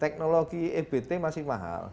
teknologi ebt masih mahal